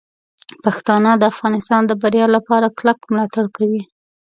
پښتانه د افغانستان د بریا لپاره کلک ملاتړ کوي.